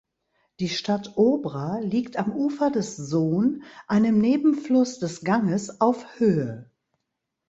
Die Stadt Obra liegt am Ufer des Son, einem Nebenfluss des Ganges, auf Höhe.